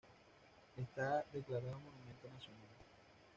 Está declarado Monumento Nacional.